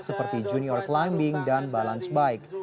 seperti junior climbing dan balance bike